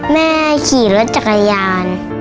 แม่ขี่รถจักรยาน